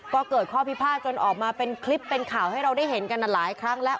ก็เกิดข้อพิพาทจนออกมาเป็นคลิปเป็นข่าวให้เราได้เห็นกันหลายครั้งแล้ว